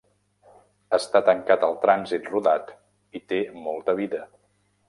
Està tancat al trànsit rodat i té molta vida.